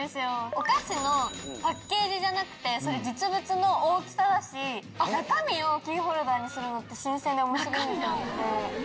お菓子のパッケージじゃなくて実物の大きさだし中身をキーホルダーにするのって新鮮で面白い。